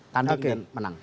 tanding yang menang